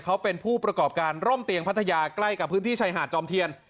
เขาเป็นผู้ประกอบการร่มเตียงพัทยาใกล้กับพื้นที่ชายหาดจอมเทียน